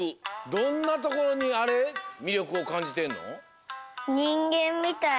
どんなところにあれみりょくをかんじてんの？